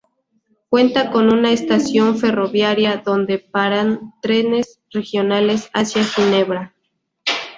Cuenta con una estación ferroviaria donde paran trenes regionales hacia Ginebra.